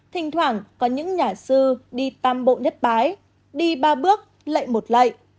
thỉnh thoảng có những nhà sư đi tam bộ nhất bái đi ba bước lệ một lệ